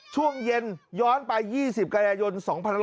ช่วงเย็นย้อนไป๒๐กระยะยนต์๒๑๕๙